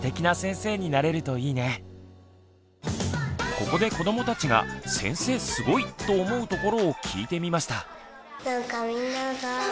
ここで子どもたちが「先生すごい！」と思うところを聞いてみました。